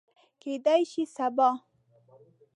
کیدای شي سبا